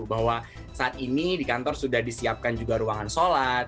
bahwa saat ini di kantor sudah disiapkan juga ruangan sholat